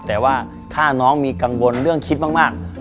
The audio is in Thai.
แต่ว่าถ้าน้องมีกังวลเรื่องคิดมาก